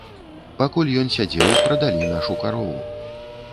Пакуль ён сядзеў, прадалі нашу карову.